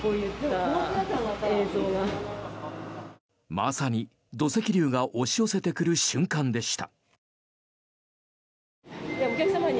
まさに土石流が押し寄せてくる瞬間でした。